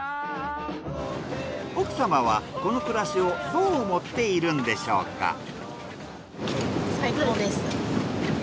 奥さまはこの暮らしをどう思っているんでしょうか？